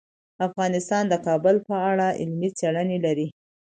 افغانستان د کابل په اړه علمي څېړنې لري.